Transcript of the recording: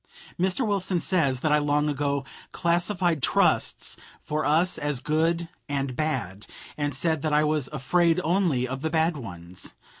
Mr. Wilson says that I long ago "classified trusts for us as good and bad," and said that I was "afraid only of the bad ones."